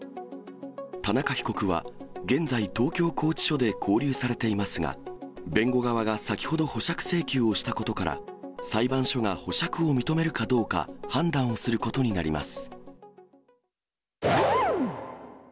田中被告は、現在、東京拘置所で勾留されていますが、弁護側が先ほど保釈請求をしたことから、裁判所が保釈を認めるかどうか、判断をすることになります。